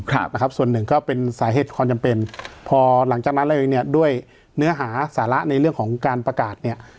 ครับนะครับส่วนหนึ่งก็เป็นสาเหตุความจำเป็นพอหลังจากนั้นเลยเนี้ยด้วยเนื้อหาสาระในเรื่องของการประกาศเนี่ย